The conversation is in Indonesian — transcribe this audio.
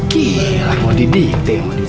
gila mau di diktik